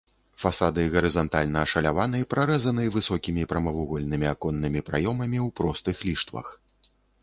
Фасады гарызантальна ашаляваны, прарэзаны высокімі прамавугольнымі аконнымі праёмамі ў простых ліштвах.